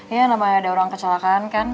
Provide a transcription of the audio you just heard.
ya namanya ada orang kecelakaan kan